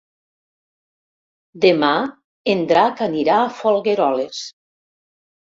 Demà en Drac anirà a Folgueroles.